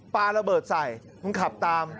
ปลาระเบิดใส่มันขับตาม